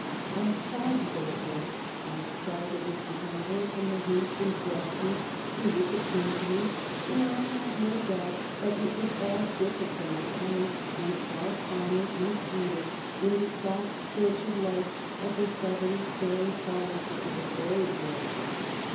I have tried to get it right, I have tried to disentangle it from the hints and gestures through which it came to me, but I have no doubt that it was all different from my telling and far finer and sweeter, in the soft filtered light and the subtly stirring silences of the fairy glades.